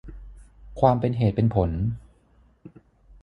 ความเป็นเหตุเป็นผล